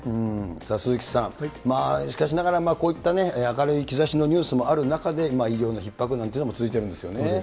鈴木さん、しかしながら、こういった明るい兆しのニュースもある中で、医療のひっ迫なんていうのも続いてるんですよね。